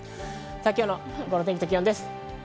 今日の午後の天気と気温です。